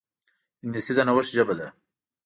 انګلیسي د نوښت ژبه ده